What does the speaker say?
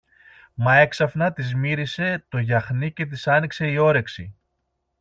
Μα έξαφνα της μύρισε το γιαχνί και της άνοιξε η όρεξη.